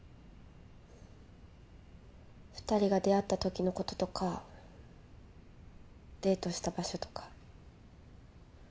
２人が出会ったときのこととかデートした場所とか。